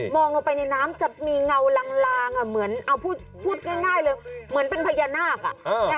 ลงไปในน้ำจะมีเงาลางเหมือนเอาพูดง่ายเลยเหมือนเป็นพญานาค